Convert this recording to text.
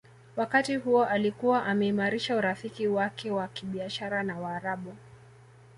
Wakati huo alikuwa ameimarisha urafiki wake wa kibiashara na Waarabu